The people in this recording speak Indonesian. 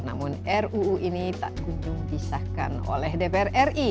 namun ruu ini tak kunjung disahkan oleh dpr ri